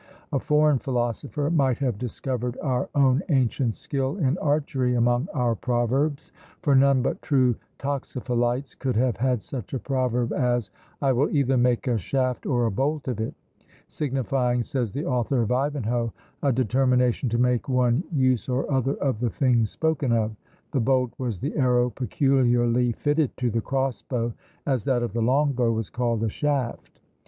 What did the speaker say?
A foreign philosopher might have discovered our own ancient skill in archery among our proverbs; for none but true toxophilites could have had such a proverb as, "I will either make a shaft or a bolt of it!" signifying, says the author of Ivanhoe, a determination to make one use or other of the thing spoken of: the bolt was the arrow peculiarly fitted to the cross bow, as that of the long bow was called a shaft.